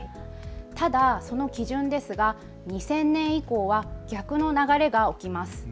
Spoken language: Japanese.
ただその基準ですが、２０００年以降は逆の流れが起きます。